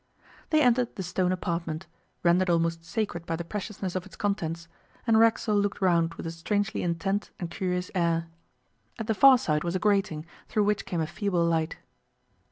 They entered the stone apartment, rendered almost sacred by the preciousness of its contents, and Racksole looked round with a strangely intent and curious air. At the far side was a grating, through which came a feeble light.